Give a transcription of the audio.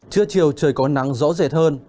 trưa chiều trời có nắng rõ rệt hơn